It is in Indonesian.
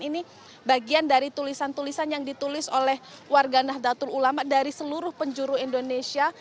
ini bagian dari tulisan tulisan yang ditulis oleh warga nahdlatul ulama dari seluruh penjuru indonesia